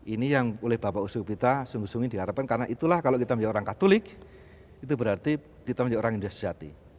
ini yang oleh bapak usuh kita sungguh sungguhnya diharapkan karena itulah kalau kita menjadi orang katolik itu berarti kita menjadi orang yang sudah sejati